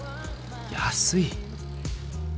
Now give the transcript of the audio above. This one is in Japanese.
安い。